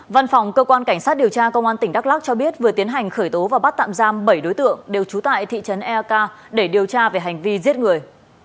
văn phòng cơ quan cảnh sát điều tra công an tỉnh đắk lắc cho biết vừa tiến hành khởi tố và bắt tạm giam bảy đối tượng đều trú tại thị trấn eak để điều tra về hành vi giết người